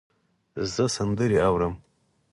زه سندرې اورم.